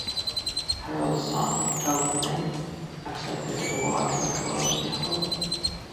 Harold's son, Doug LeMay, accepted the award on Harold's behalf.